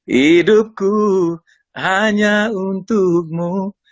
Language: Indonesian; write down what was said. hidupku hanya untukmu